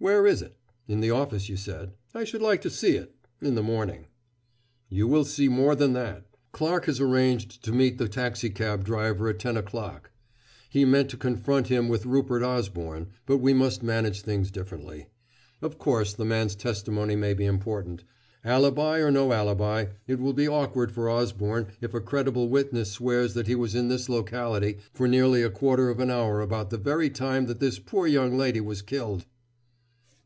Where is it? in the office, you said. I should like to see it in the morning." "You will see more than that. Clarke has arranged to meet the taxicab driver at ten o'clock. He meant to confront him with Rupert Osborne, but we must manage things differently. Of course the man's testimony may be important. Alibi or no alibi, it will be awkward for Osborne if a credible witness swears that he was in this locality for nearly a quarter of an hour about the very time that this poor young lady was killed."